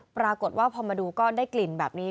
ปรากฏว่าพอมาดูก็ได้กลิ่นแบบนี้